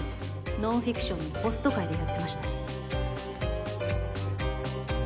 「ノンフィクション」のホスト回でやってました